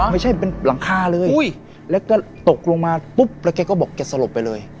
ไม่ใช่เป็นหลังคาเลยแล้วก็ตกลงมาปุ๊บแล้วแกก็บอกแกสลบไปเลย